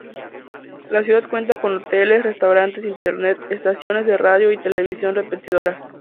La ciudad cuenta con hoteles, restaurantes, Internet, estaciones de radio y televisión repetidoras.